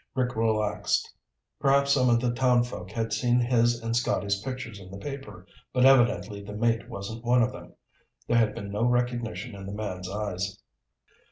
Rick relaxed. Perhaps some of the townfolk had seen his and Scotty's pictures in the paper, but evidently the mate wasn't one of them. There had been no recognition in the man's eyes.